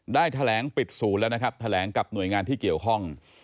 ได้แถลงปิดศูนย์แล้วนะครับแถลงกับหน่วยงานที่เกี่ยวข้อง